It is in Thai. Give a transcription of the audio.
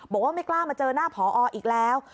บอกว่าไม่กล้ามาเจอหน้าผออีกแล้ว